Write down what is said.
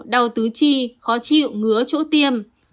đau tứ chi khó chịu ngứa chỗ tiêm